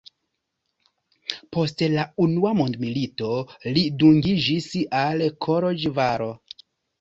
Post la unua mondmilito li dungiĝis al Koloĵvaro.